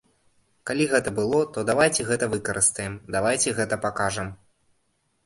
Калі гэта было, то давайце гэта выкарыстаем, давайце гэта пакажам.